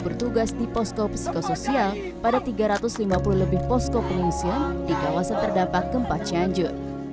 bertugas di posko psikososial pada tiga ratus lima puluh lebih posko pengungsian di kawasan terdampak gempa cianjur